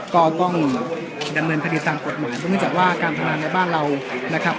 ก็ต้องดำเนินคดีตามกฎหมายเพราะเนื่องจากว่าการพนันในบ้านเรานะครับ